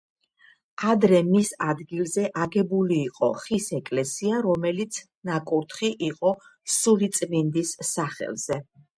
ადრე მის ადგილზე აგებული იყო ხის ეკლესია, რომელიც ნაკურთხი იყო სულიწმინდის სახელზე.